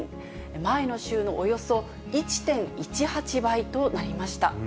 前の週のおよそ１．１８倍となりました。